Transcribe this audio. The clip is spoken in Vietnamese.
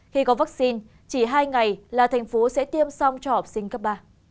khi có vaccine chỉ hai ngày là thành phố sẽ tiêm xong cho học sinh cấp ba